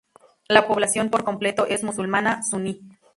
La población, por completo, es musulmana suní.